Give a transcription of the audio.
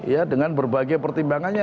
ya dengan berbagai pertimbangannya